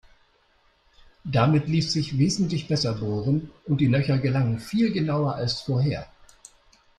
Damit ließ sich wesentlich besser bohren und die Löcher gelangen viel genauer als vorher.